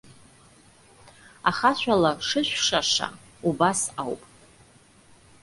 Ахашәала шышәшаша убас ауп.